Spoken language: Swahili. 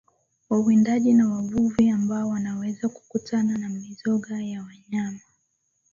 Wawindaji na wavuvi ambao wanaweza kukutana na mizoga ya wanyama